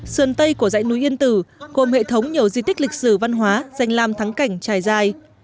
sơn tây của dãy núi yên tử gồm hệ thống nhiều di tích lịch sử văn hóa danh làm thắng cảnh trải dài